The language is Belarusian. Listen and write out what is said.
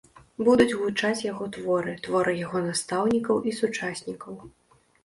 Будуць гучаць яго творы, творы яго настаўнікаў і сучаснікаў.